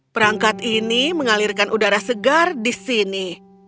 perangkat ini mengalirkan udara segar di sini